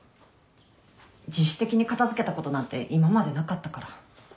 自主的に片付けたことなんて今までなかったから。